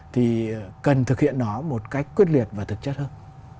thì cần thực hiện nó một cách quyết liệt và thực chất hơn